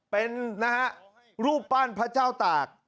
เป็นนะฮะรูปปั้นพระเจ้าตาก